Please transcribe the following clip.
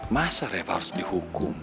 masa reva harus dihukum